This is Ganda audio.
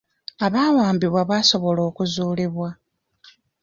Abawambibwa basobola okuzuulibwa.